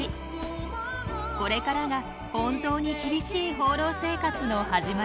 これからが本当に厳しい放浪生活の始まりです。